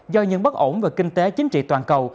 do những bất ổn về kinh tế chính trị toàn cầu